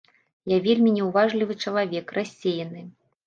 Я вельмі няўважлівы чалавек, рассеяны.